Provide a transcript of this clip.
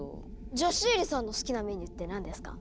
じゃあシエリさんの好きなメニューって何ですか？